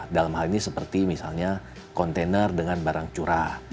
dalam hal ini seperti misalnya kontainer dengan barang curah